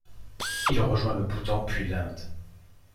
Il rejoint le Bhoutan puis l'Inde.